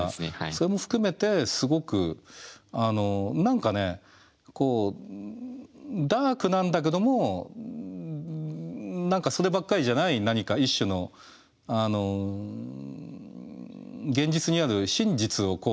それも含めてすごく何かねダークなんだけども何かそればっかりじゃない何か一種のあの現実にある真実を描いてるところもあると思う。